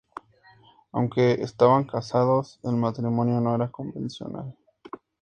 Aunque estaban casados, el matrimonio no era convencional.